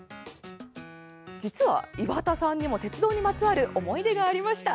実は岩田さんにも鉄道にまつわる思い出がありました。